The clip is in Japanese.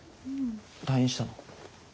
退院したの？